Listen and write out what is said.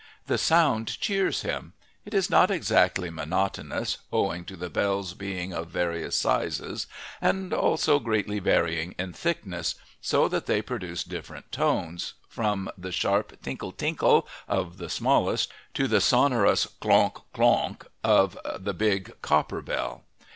The sound cheers him; it is not exactly monotonous, owing to the bells being of various sizes and also greatly varying in thickness, so that they produce different tones, from the sharp tinkle tinkle of the smallest to the sonorous klonk klonk of the big, copper bell.